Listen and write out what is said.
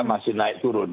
masih naik turun